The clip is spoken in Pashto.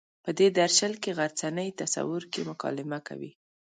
په دې درشل کې غرڅنۍ تصور کې مکالمه کوي.